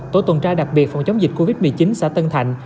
tổ tuần tra đặc biệt phòng chống dịch covid một mươi chín xã tân thạnh